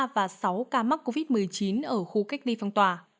và sáu ca mắc covid một mươi chín ở khu cách ly phong tỏa